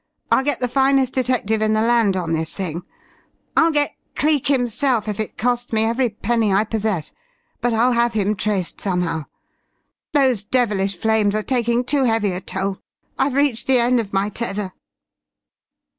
I'll get the finest detective in the land on this thing, I'll get Cleek himself if it costs me every penny I possess, but I'll have him traced somehow. Those devilish flames are taking too heavy a toll. I've reached the end of my tether!"